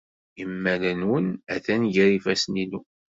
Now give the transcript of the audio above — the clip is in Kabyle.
Imal-nwen atan gar yifassen-inu.